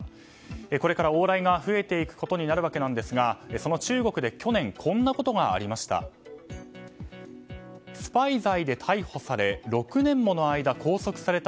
これから往来が増えてくることになるわけなんですがその中国で去年こんなことがありました。